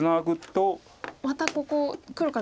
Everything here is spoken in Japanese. またここ黒から。